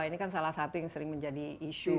ini kan salah satu yang sering menjadi isu